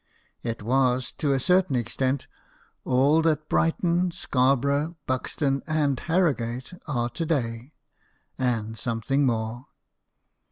It was, to a certain extent, all that Brighton, Scar borough, Buxton, and H arrogate are to day, and something more.